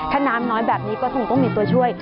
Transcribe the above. ถ้าน้ำน้อยแบบนี้ก็คงต้องมีตัวช่วย